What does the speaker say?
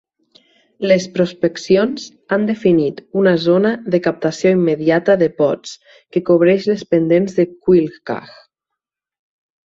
Les prospeccions han definit una zona de captació immediata de pots que cobreix les pendents de Cuilcagh.